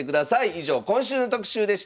以上今週の特集でした。